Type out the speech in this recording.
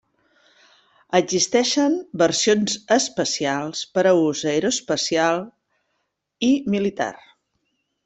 Existeixen versions especials per a ús aeroespacial i militar.